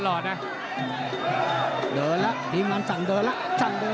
โอ้โอ้โอ้